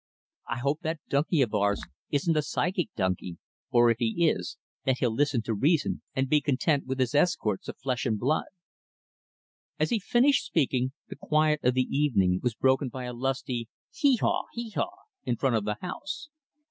I hope that donkey of ours isn't a psychic donkey, or, if he is, that he'll listen to reason and be content with his escorts of flesh and blood." As he finished speaking, the quiet of the evening was broken by a lusty, "Hee haw, hee haw," in front of the house.